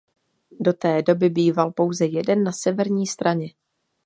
Do té doby býval pouze jeden na severní straně.